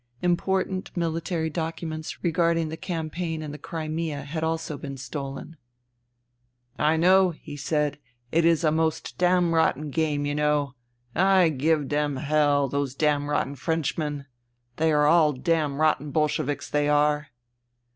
Important military documents regarding the campaign in the Crimea had also been stolen. " I know," he said, "it is a most damrotten game, you know. I give dem h h hell, those dam rotten Frenchmen. They are all damrotten Bol sheviks, they are."